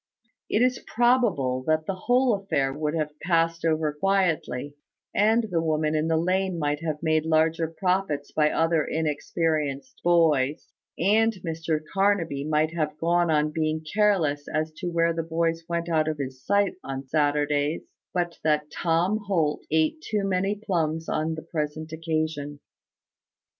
It is probable that the whole affair would have passed over quietly, and the woman in the lane might have made large profits by other inexperienced boys, and Mr Carnaby might have gone on being careless as to where the boys went out of his sight on Saturdays, but that Tom Holt ate too many plums on the present occasion.